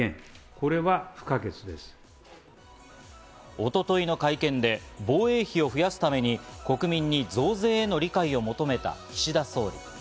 一昨日の会見で防衛費を増やすために、国民に増税への理解を求めた岸田総理。